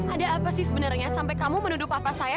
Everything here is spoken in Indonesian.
ada apa sih sebenarnya sampai kamu menuduh papa saya